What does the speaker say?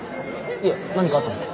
いえ何かあったんすか？